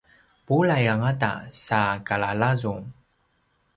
bulai angata sa kalalazung